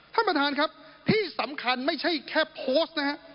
ท่านประธานครับที่สำคัญไม่ใช่แค่โพสต์นะฮะ